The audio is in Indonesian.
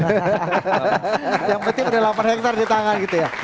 yang penting ada delapan hektare di tangan gitu ya